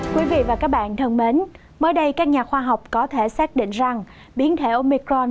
quý vị và các bạn thân mến mới đây các nhà khoa học có thể xác định rằng biến thểo micron